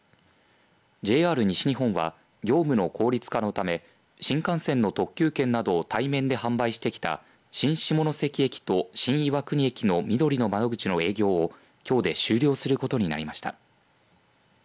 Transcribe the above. ＪＲ西日本は業務の効率化のため新幹線の特急券などを対面で販売してきた新下関駅と新岩国駅のみどりの窓口の営業をきょうで終了することになりました。